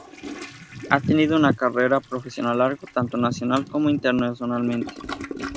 Ha tenido una carrera profesional larga, tanto nacional como internacionalmente.